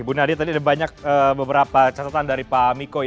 bu nadia tadi ada banyak beberapa catatan dari pak miko